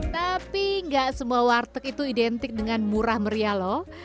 tapi gak semua warteg itu identik dengan murah meriah lho